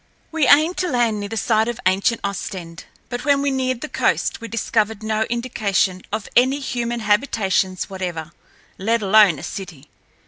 We aimed to land near the site of ancient Ostend. But when we neared the coast we discovered no indication of any human habitations whatever, let alone a city.